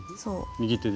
右手で。